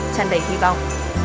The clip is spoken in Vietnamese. trang đầy hy vọng